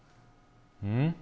うん？